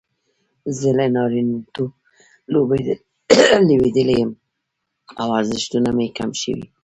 زه له نارینتوبه لویدلی یم او ارزښتونه مې کم شوي.